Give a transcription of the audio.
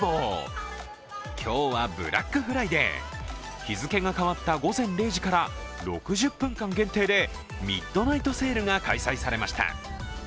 今日はブラックフライデー、日付が変わった午前０時から６０分間限定でミッドナイトセールが開催されました。